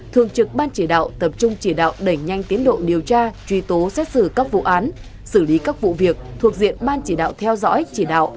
thường trực ban chỉ đạo tập trung chỉ đạo đẩy nhanh tiến độ điều tra truy tố xét xử các vụ án xử lý các vụ việc thuộc diện ban chỉ đạo theo dõi chỉ đạo